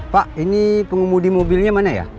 pak ini pengemudi mobilnya mana ya